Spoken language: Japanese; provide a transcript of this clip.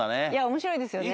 面白いですよね。